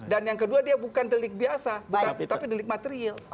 dan yang kedua dia bukan delik biasa tapi delik material